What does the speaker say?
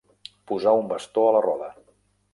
Posar un bastó a la roda